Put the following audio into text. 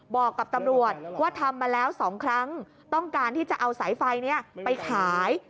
บอกกับตำรวจว่าทำมาแล้ว๒ครั้งต้องการที่จะเอาสายไฟนี้ไปขาย